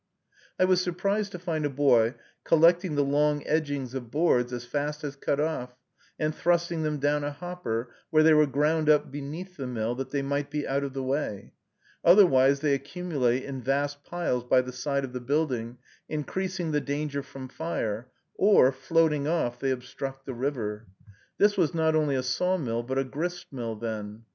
I was surprised to find a boy collecting the long edgings of boards as fast as cut off, and thrusting them down a hopper, where they were ground up beneath the mill, that they might be out of the way; otherwise they accumulate in vast piles by the side of the building, increasing the danger from fire, or, floating off, they obstruct the river. This was not only a sawmill, but a gristmill, then.